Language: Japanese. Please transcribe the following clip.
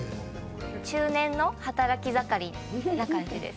中年の働き盛りな感じです。